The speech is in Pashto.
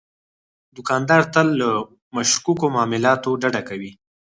دوکاندار تل له مشکوکو معاملاتو ډډه کوي.